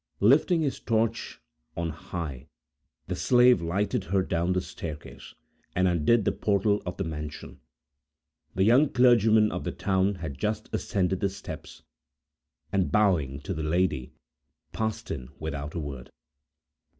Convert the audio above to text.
Lifting his torch on high, the slave lighted her down the staircase, and undid the portal of the mansion. The young clergyman of the town had just ascended the steps, and bowing to the lady, passed in without a word.